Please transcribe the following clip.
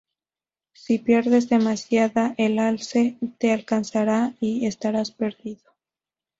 Si pierdes demasiada, el alce te alcanzará y estarás perdido.